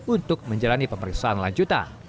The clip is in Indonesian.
untuk menjalani pemersesuaian lanjutan